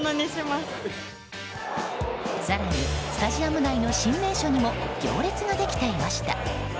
更にスタジアム内の新名所にも行列ができていました。